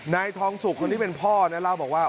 นายทองสุกคนที่เป็นพ่อนะเล่าบอกว่า